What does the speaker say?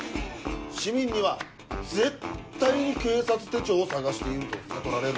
市民には絶対に警察手帳を捜していると悟られるな。